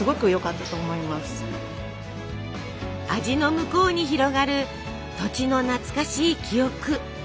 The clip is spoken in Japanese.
味の向こうに広がる土地の懐かしい記憶。